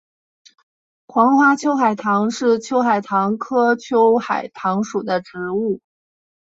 黄花秋海棠是秋海棠科秋海棠属的植物。